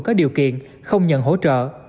có điều kiện không nhận hỗ trợ